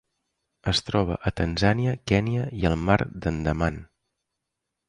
Es troba a Tanzània, Kenya i el Mar d'Andaman.